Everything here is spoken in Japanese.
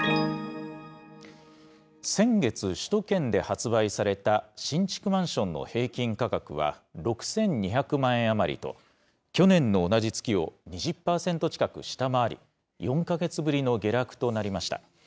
先月、首都圏で発売された、新築マンションの平均価格は６２００万円余りと、去年の同じ月を２０％近く下回り、４か月ぶりの下落となりました。